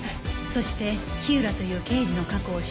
そして火浦という刑事の過去を調べる過程で